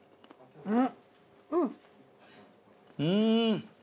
うん。